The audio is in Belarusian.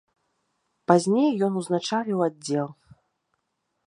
Пазней ён узначаліў аддзел.